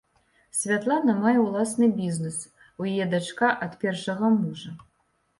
Святлана мае ўласны бізнэс, у яе дачка ад першага мужа.